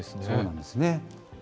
そうなんですね。